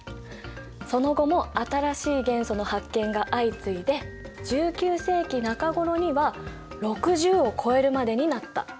その後も新しい元素の発見が相次いで１９世紀中ごろには６０を超えるまでになった。